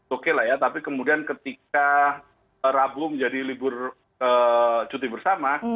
oke lah ya tapi kemudian ketika rabu menjadi libur cuti bersama